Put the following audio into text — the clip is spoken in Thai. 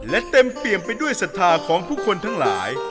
และเต็มเปี่ยมไปด้วยศรัทธาของผู้คนทั้งหลาย